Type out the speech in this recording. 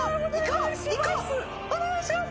お願いします。